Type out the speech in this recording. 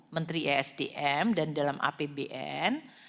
menteri esdm dan dalam apbn